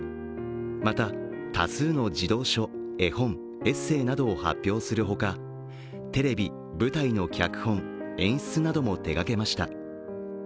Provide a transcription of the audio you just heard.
また、多数の児童書絵本、エッセーなどを発表するほかテレビ、舞台の脚本、演出なども手がけました。